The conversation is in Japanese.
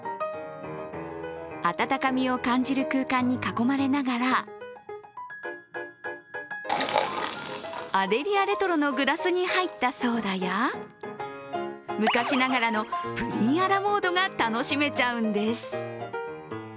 温かみを感じる空間に囲まれながらアデリアレトロのグラスに入ったソーダや昔ながらのプリンアラモードが楽しめちゃうんです。